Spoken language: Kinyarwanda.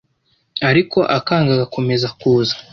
ariko akanga agakomeza kuza.